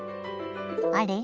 あれ？